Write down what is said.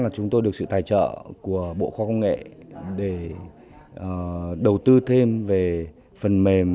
chúng tôi được sự tài trợ của bộ khoa công nghệ để đầu tư thêm về phần mềm